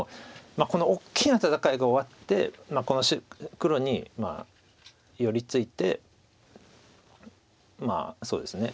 この大きな戦いが終わってこの黒に寄り付いてまあそうですね